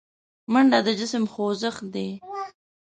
منډه د جسم خوځښت دی